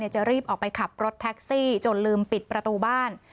จะรีบออกไปขับรถแท็กซี่จนลืมปิดประตูบ้าน